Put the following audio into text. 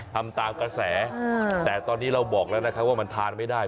ทำตามกระแสแต่ตอนนี้เราบอกแล้วนะคะว่ามันทานไม่ได้